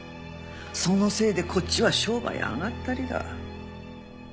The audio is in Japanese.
そのせいでこっちは商売あがったりだ。